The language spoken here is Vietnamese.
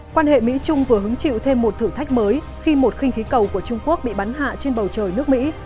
quan hệ mỹ trung vừa hứng chịu thêm một thử thách mới khi một khinh khí cầu của trung quốc bị bắn hạ trên bầu trời nước mỹ